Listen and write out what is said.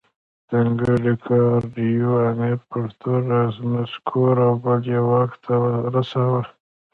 ځانګړي ګارډ یو امپرتور رانسکور او بل یې واک ته رساوه